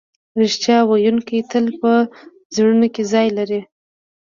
رښتیا ویونکی تل په زړونو کې ځای لري.